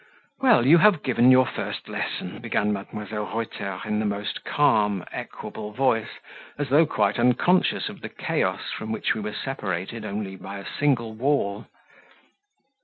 "Well, you have given your first lesson," began Mdlle. Reuter in the most calm, equable voice, as though quite unconscious of the chaos from which we were separated only by a single wall.